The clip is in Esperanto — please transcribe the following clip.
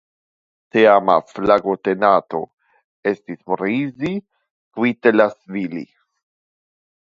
Teama flagotenanto estis "Morisi Kvitelaŝvili".